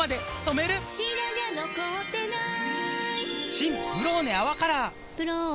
新「ブローネ泡カラー」「ブローネ」